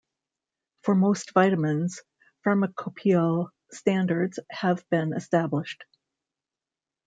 For most vitamins, pharmacopoeial standards have been established.